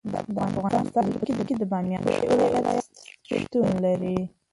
د افغانستان په زړه کې د بامیان ښکلی ولایت شتون لري.